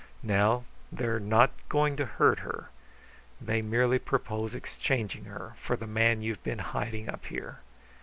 Now they are not going to hurt her. They merely propose exchanging her for the man you've been hiding up here.